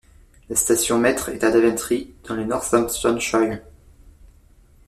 La station maître est à Daventry dans le Northamptonshire.